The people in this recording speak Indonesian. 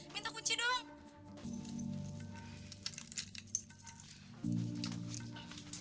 minta kunci dong